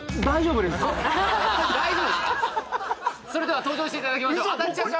それでは登場していただきましょう安達社長